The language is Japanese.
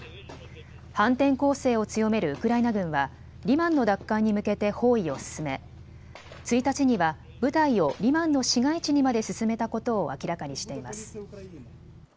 反転攻勢を強めるウクライナ軍はリマンの奪還に向けて包囲を進め、１日には部隊をリマンの市街地にまで進めたことを明らかにしています。